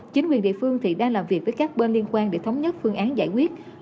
chính quyền địa phương đang làm việc với các bên liên quan để thống nhất phương án giải quyết